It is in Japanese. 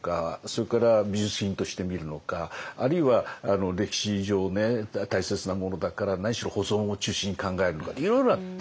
それから美術品として見るのかあるいは歴史上大切なものだから何しろ保存を中心に考えるのかっていろいろある。